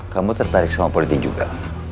kamu tertarik sama politik juga